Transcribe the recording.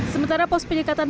sementara pos penyekatan